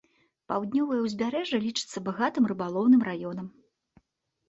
Паўднёвае ўзбярэжжа лічыцца багатым рыбалоўным раёнам.